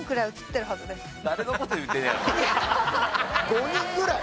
５人ぐらい？